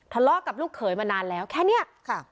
ทะเลาะกับลูกเขยมานานแล้วแค่เนี้ยค่ะ